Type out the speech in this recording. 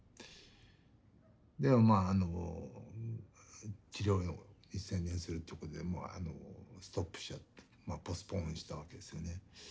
でもまあ治療に専念するってことでストップしちゃってポストポーンしたわけですよね。